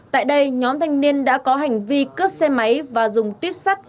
tại đây nhóm thanh niên đã có hành vi cướp xe máy và dùng tuyếp sắt